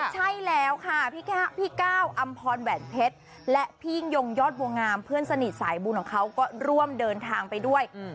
ใช่แล้วค่ะพี่ก้าวอำพรแหวนเพชรและพี่ยิ่งยงยอดบัวงามเพื่อนสนิทสายบุญของเขาก็ร่วมเดินทางไปด้วย